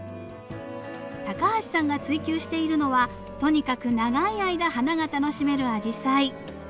高橋さんが追求しているのはとにかく長い間花が楽しめるアジサイ。